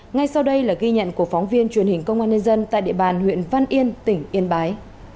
ngay sau đây là ghi nhận của phóng viên truyền hình công an nhân dân tại địa bàn huyện văn yên tỉnh yên bái